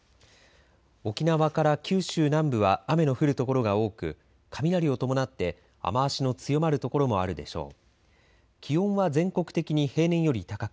沖縄から九州南部は雨の降る所が多く雷を伴って雨足の強まる所もあるでしょう。